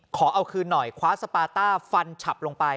ขอเอาคืนหน่อยคว้าสปาต้าฟันฉับลงไป